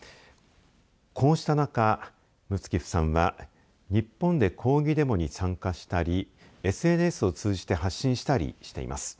こうした中ムツキフさんは日本で抗議デモに参加したりＳＮＳを通じて発信したりしています。